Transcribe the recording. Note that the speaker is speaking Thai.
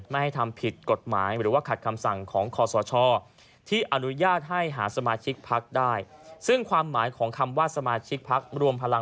ไม่ให้ทำผิดกฎหมายหรือขาดคำสั่ง